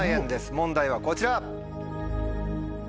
問題はこちら。